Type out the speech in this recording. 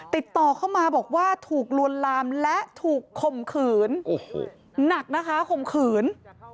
ติดต่อเข้ามาบอกว่าถูกลวนลามและถูกข่มขืนหนักนะคะข่มขืน